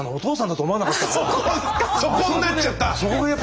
そこになっちゃった！